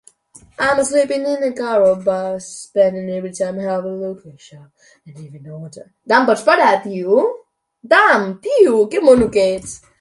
益民路